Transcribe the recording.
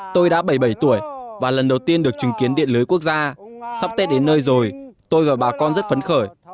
tôi đã bảy mươi bảy tuổi và lần đầu tiên được chứng kiến điện lưới quốc gia sắp tết đến nơi rồi tôi và bà con rất phấn khởi